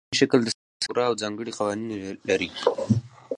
افغانستان د ځمکني شکل د ساتنې لپاره پوره او ځانګړي قوانین لري.